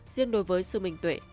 riêng đối với sư minh tuệ